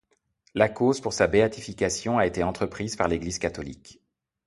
La cause pour sa béatification a été entreprise par l'Église catholique.